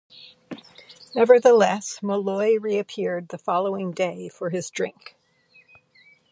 Nevertheless, Malloy reappeared the following day for his drink.